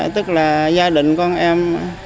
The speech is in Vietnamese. tức là gia đình con em